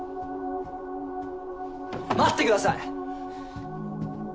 待ってください！